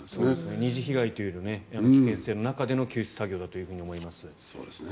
二次被害という危険性の中での救出活動だと思います。